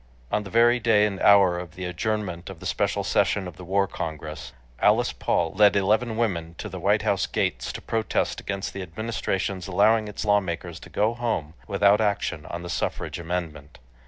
On the very day and hour of the adjournment of the special session of the War Congress, Alice Paul led eleven women to the White House gates to protest against the Administration's allowing its lawmakers to go home without action on the suffrage amendment.